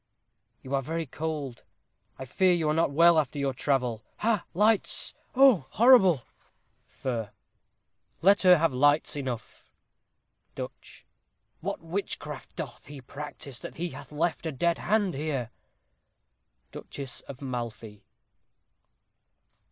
_ You are very cold. I fear you are not well after your travel. Ha! lights. Oh horrible! Fer. Let her have lights enough. Duch. What witchcraft doth he practise, that he hath left A dead hand here? _Duchess of Malfy.